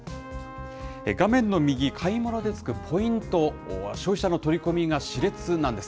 画面の右、買い物でつくポイント、消費者の取り込みがしれつなんです。